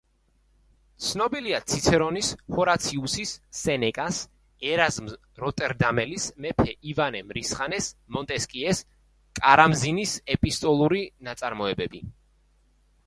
ცნობილია ციცერონის, ჰორაციუსის, სენეკას, ერაზმ როტერდამელის, მეფე ივანე მრისხანეს, მონტესკიეს, კარამზინის ეპისტოლური ნაწარმოებები.